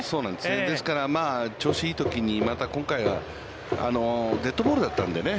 ですから、調子がいいときに、今回はデッドボールだったのでね。